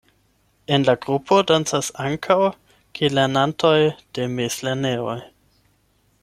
En la grupo dancas ankaŭ gelernantoj de mezlernejoj.